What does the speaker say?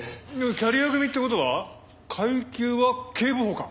キャリア組って事は階級は警部補か。